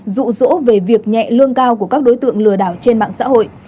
rụ rỗ về việc nhẹ lương cao của các đối tượng lừa đảo trên mạng xã hội